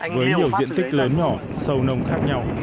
nhiều diện tích lớn nhỏ sâu nồng khác nhau